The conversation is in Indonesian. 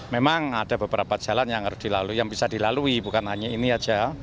memang ada beberapa jalan yang harus dilalui yang bisa dilalui bukan hanya ini saja